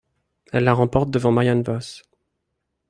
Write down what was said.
Elle la remporte devant Marianne Vos.